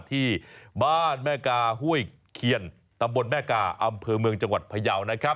ที่บ้านแม่กาห้วยเคียนตำบลแม่กาอำเภอเมืองจังหวัดพยาวนะครับ